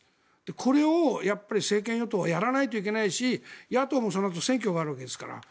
これを政権与党はやらないといけないし野党もそのあと選挙があるわけですから。